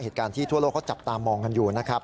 เหตุการณ์ที่ทั่วโลกเขาจับตามองกันอยู่นะครับ